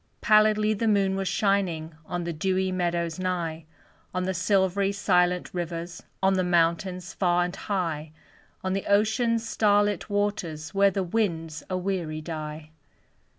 Pallidly the moon was shining On the dewy meadows nigh; On the silvery, silent rivers, On the mountains far and high On the ocean's star lit waters, Where the winds a weary die.